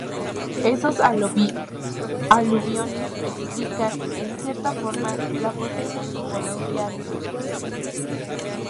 Esos aluviones explican, en cierta forma, la posible etimología de su nombre.